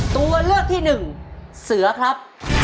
ตัวเลือกที่หนึ่งเสือครับ